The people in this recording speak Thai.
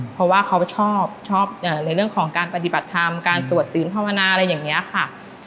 เพราะว่าเขาชอบชอบในเรื่องของการปฏิบัติธรรมการสวดตื่นภาวนาอะไรอย่างนี้ค่ะ